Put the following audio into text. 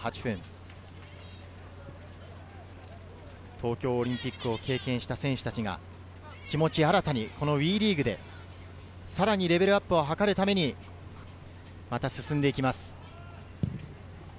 東京オリンピックを経験した選手たちが、気持ちを新たにＷＥリーグでさらにレベルアップを図るために、また進んでいきます。